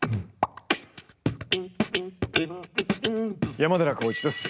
山寺宏一です。